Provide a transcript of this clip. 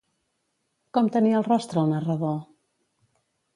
Com tenia el rostre el narrador?